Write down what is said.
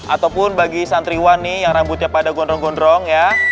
ataupun bagi santriwan yang rambutnya pada gondrong gondrong